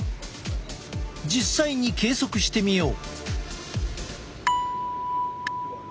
実際に計測してみよう。